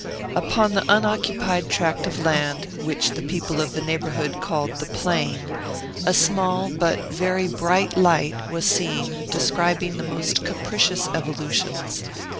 Upon the unoccupied tract of land, which the people of the neighborhood called the "plain," a small but very bright light was seen describing the most capricious evolutions.